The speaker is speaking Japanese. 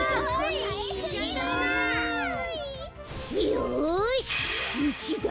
よしいちだ